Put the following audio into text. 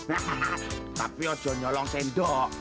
tapi harusnya nyalong sendok